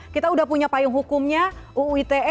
kita sudah punya payung hukumnya uu ite